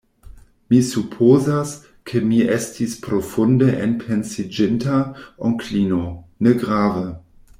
Mi supozas, ke mi estis profunde enpensiĝinta, onklino; negrave.